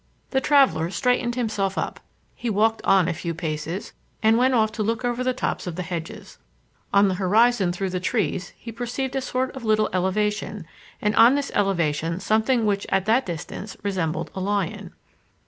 The traveller straightened himself up. He walked on a few paces, and went off to look over the tops of the hedges. On the horizon through the trees, he perceived a sort of little elevation, and on this elevation something which at that distance resembled a lion.